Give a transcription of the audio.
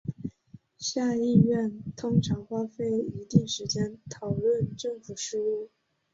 下议院通常花费一定时间讨论政府事务。